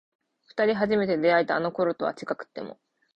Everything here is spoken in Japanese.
二人初めて出会えたあの頃とは違くても